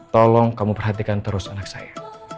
tolong kamu perhatikan terus anak saya